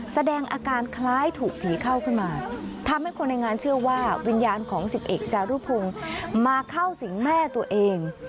แสดงอาการคล้ายถูกผีเข้าขึ้นมาทำให้คนในงานเชื่อว่าวิญญาณของสิบเอกจารุพงศ์มาเข้าสิงแม่ตัวเอง